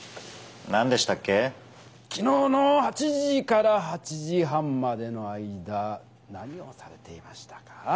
きのうの８時８時半までの間何をされていましたか？